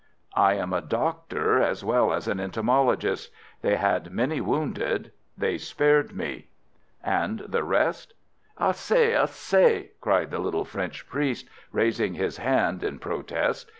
"I am a doctor as well as an entomologist. They had many wounded; they spared me." "And the rest?" "Assez! assez!" cried the little French priest, raising his hand in protest.